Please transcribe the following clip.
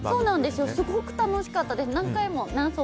すごく楽しかったです。